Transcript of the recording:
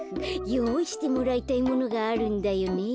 よういしてもらいたいものがあるんだよね。